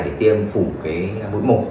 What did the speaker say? để tiêm phủ cái mũi một